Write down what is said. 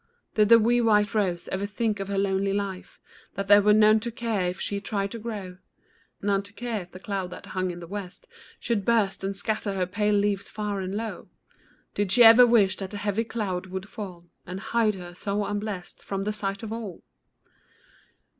Did the wee white rose ever think of her lonely life, That there were none to care if she tried to grow; None to care if the cloud that hung in the west Should burst, and scatter her pale leaves far and low? Did she ever wish that the heavy cloud would fall And hide her, so unblest, from the sight of all?